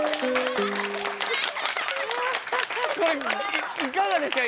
これいかがですか？